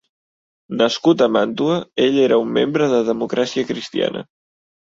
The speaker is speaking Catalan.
Nascut a Màntua, ell era un membre de Democràcia Cristiana.